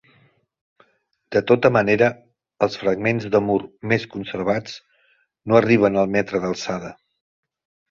De tota manera, els fragments de mur més conservats no arriben al metre d'alçada.